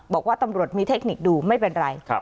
บอกว่าตำรวจมีเทคนิคดูไม่เป็นไร